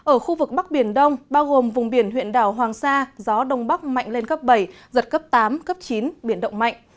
ở khu vực bắc biển đông bao gồm vùng biển huyện đảo hoàng sa gió đông bắc mạnh lên cấp bảy giật cấp tám cấp chín biển động mạnh